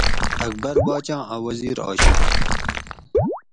اکبر باچاں اۤ وزیر آشو